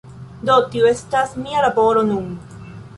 Do tiu estas mia laboro nun.